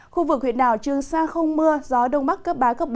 khu vực huyện đảo trường sa không mưa gió đông bắc cấp ba bốn